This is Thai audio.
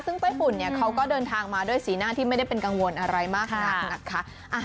ซึ่งไต้ฝุ่นเนี่ยเขาก็เดินทางมาด้วยสีหน้าที่ไม่ได้เป็นกังวลอะไรมากนักนะคะ